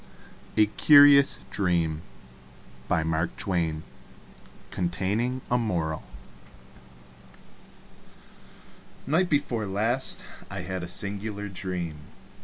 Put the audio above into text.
A CURIOUS DREAM CONTAINING A MORAL Night before last I had a singular dream.